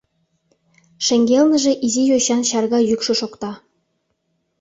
Шеҥгелныже изи йочан чарга йӱкшӧ шокта: